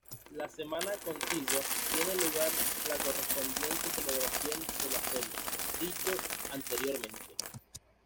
La semana contigua tiene lugar la correspondiente celebración de la feria, dicho anteriormente.